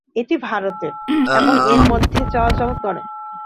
এটি ভারতের এবং এর মধ্যে চলাচল করে।